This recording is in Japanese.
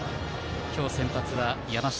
今日先発は山下。